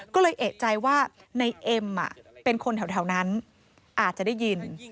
ก็เลยเอกใจว่าในเอ็มเป็นคนแถวนั้นอาจจะได้ยิน